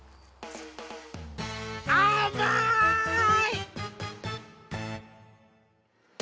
あまい！